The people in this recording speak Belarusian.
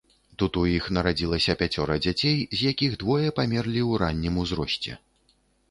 Тут у іх нарадзіліся пяцёра дзяцей, з якіх двое памерлі ў раннім узросце.